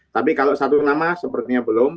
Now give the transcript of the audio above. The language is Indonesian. tapi kalau satu nama sepertinya belum